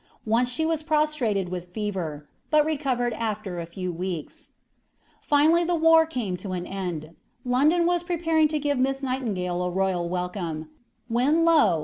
Once she was prostrated with fever, but recovered after a few weeks. Finally the war came to an end. London was preparing to give Miss Nightingale a royal welcome, when, lo!